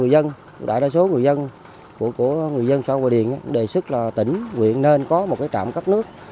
đại đa số người dân của người dân xã hòa điền đề xuất là tỉnh nguyện nên có một trạm cấp nước